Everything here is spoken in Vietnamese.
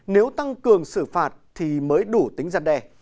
nếu tăng cường xử phạt thì mới đủ tính giăn đe